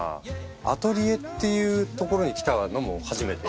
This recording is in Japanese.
アトリエっていう所に来たのも初めて。